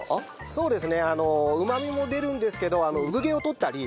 そうです。